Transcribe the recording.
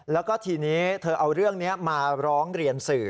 แล้วก็ทีนี้เธอเอาเรื่องนี้มาร้องเรียนสื่อ